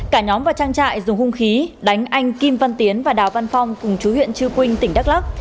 cả nhóm vào trang trại dùng hung khí đánh anh kim văn tiến và đào văn phong cùng chú huyện trư quynh tỉnh đắk lắk